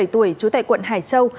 trú tại quận hải châu